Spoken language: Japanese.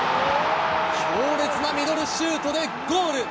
強烈なミドルシュートでゴール。